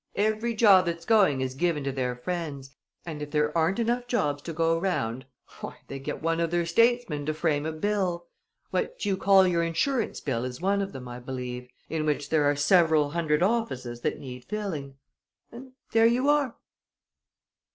Every job that's going is given to their friends; and if there aren't enough jobs to go round, why, they get one of their statesmen to frame a bill what you call your Insurance Bill is one of them, I believe in which there are several hundred offices that need filling. And there you are!"